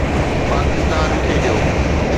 پاڪستان کيڏيو